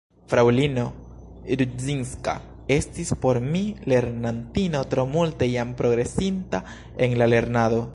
Fraŭlino Rudzinska estis por mi lernantino tro multe jam progresinta en la lernado.